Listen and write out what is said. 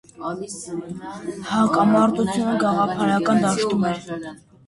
Հակամարտությունը գաղափարական դաշտում էր։